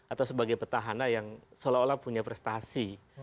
atau sebagai petahana yang seolah olah punya prestasi